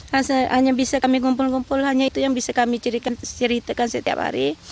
hanya bisa kami kumpul kumpul hanya itu yang bisa kami ceritakan setiap hari